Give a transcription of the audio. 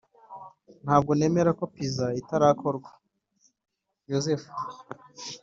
ntabwo nemera ko pizza itarakorwa. (yozefu)